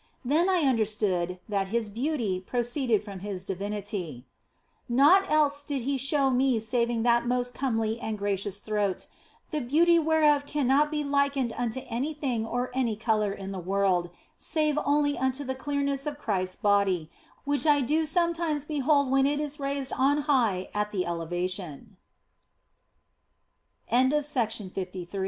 Then I understood that His beauty proceeded from His divinity. Naught else did He show me saving that most comely and gracious throat, the beauty whereof cannot be likened unto any thing or any colour in the world, save only unto the clearness of Christ s body, which I do sometimes behold when it is raised on high at the elevatio